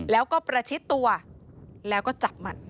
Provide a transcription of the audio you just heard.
แล้วก็ประชิดตัวแล้วก็จับมัน